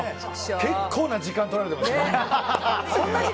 結構な時間とられてますよ。